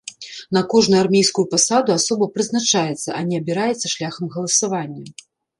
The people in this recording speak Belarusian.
На кожную армейскую пасаду асоба прызначаецца, а не абіраецца шляхам галасавання.